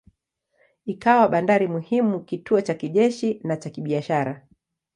Ikawa bandari muhimu, kituo cha kijeshi na cha kibiashara.